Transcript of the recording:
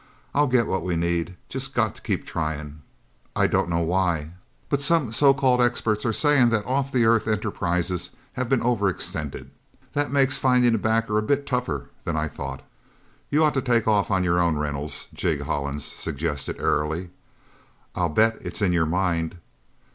I'll get what we need just got to keep trying... I don't know why, but some so called experts are saying that off the Earth enterprises have been overextended. That makes finding a backer a bit tougher than I thought." "You ought to just take off on your own, Reynolds," Jig Hollins suggested airily. "I'll bet it's in your mind.